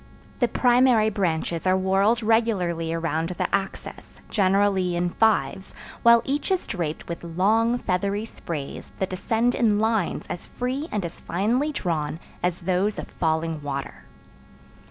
The primary branches are whorled regularly around the axis, generally in fives, while each is draped with long, feathery sprays that descend in lines as free and as finely drawn as those of falling water.